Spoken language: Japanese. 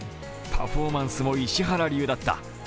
パフォーマンスも石原流だった。